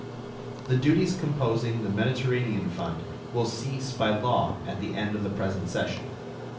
The duties composing the Mediterranean fund will cease by law at the end of the present session.